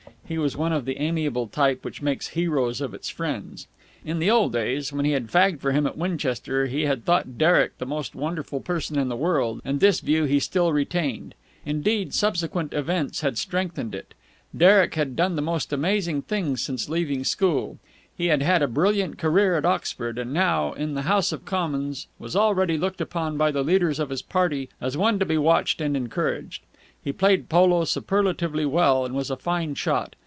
He was of the amiable type which makes heroes of its friends. In the old days when he had fagged for him at Winchester he had thought Derek the most wonderful person in the world, and this view he still retained. Indeed, subsequent events had strengthened it. Derek had done the most amazing things since leaving school. He had had a brilliant career at Oxford, and now, in the House of Commons, was already looked upon by the leaders of his party as one to be watched and encouraged. He played polo superlatively well, and was a fine shot.